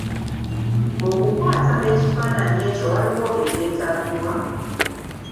Okukwata ekifaananyi ekyo waliwo ebyetaagibwa?